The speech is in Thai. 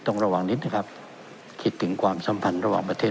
ต้องระวังนิดนะครับคิดถึงความสัมพันธ์ระหว่างประเทศ